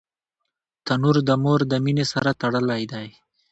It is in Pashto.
تنور د مور د مینې سره تړلی دی